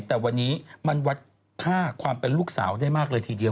แต่วันนี้มันวัดค่าความเป็นลูกสาวได้มากเลยทีเดียว